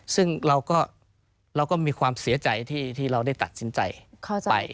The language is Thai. ซึ่งเราก็มีความเสียใจที่เราได้ตัดสินใจไป